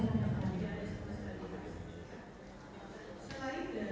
seperti itu ya